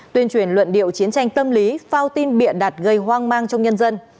tuyên truyền luận điệu chiến tranh tâm lý phao tin biện đạt gây hoang mang trong nhân dân